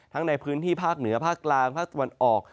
ในพื้นที่ภาคเหนือภาคกลางภาคตะวันออก